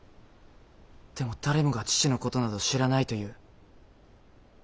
でも誰もが父のことなど知らないと言う。